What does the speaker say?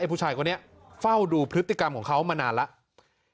ผู้ชายคนนี้เฝ้าดูพฤติกรรมของเขามานานแล้ว